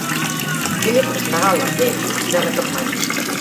Dimecres na Gal·la i en Guim iran a Capmany.